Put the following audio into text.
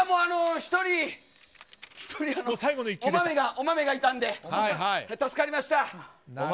１人、お豆がいたんで助かりました。